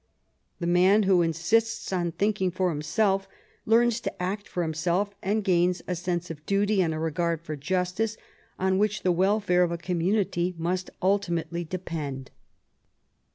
The man who insists on thinking for himself, learns to act for himself, and gains a sense of duty and a regard for justice, on which the welfare of a community must ultimately depend.